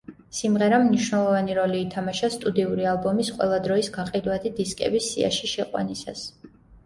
სიმღერამ მნიშვნელოვანი როლი ითამაშა სტუდიური ალბომის ყველა დროის გაყიდვადი დისკების სიაში შეყვანისას.